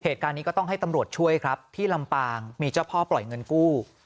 เหตุการณ์นี้ก็ต้องให้ตำรวจช่วยครับที่ลำปางมีเจ้าพ่อปล่อยเงินกู้